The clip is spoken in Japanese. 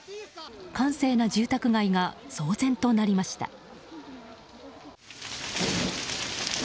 閑静な住宅街が騒然となりました。